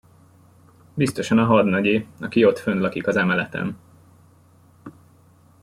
Biztosan a hadnagyé, aki ott fönn lakik az emeleten.